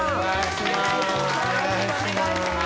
よろしくお願いします